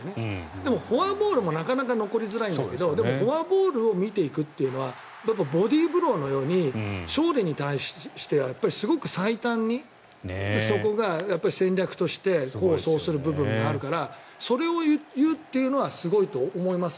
でもフォアボールも記録に残りづらいんだけどでもフォアボールを見ていくというのはボディーブローのように勝利に対してはすごく最短にそこが戦略として功を奏する部分があるからそれを言うというのはすごいと思います。